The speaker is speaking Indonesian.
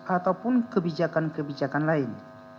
ataupun kebijakan kebijakan lain